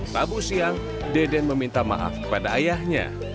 rabu siang deden meminta maaf kepada ayahnya